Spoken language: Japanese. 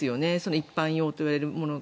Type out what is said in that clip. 一般用といわれるものが。